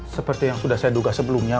seperti yang sudah saya duga sebelumnya